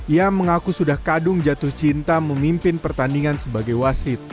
ia mengaku sudah kadung jatuh cinta memimpin pertandingan sebagai wasit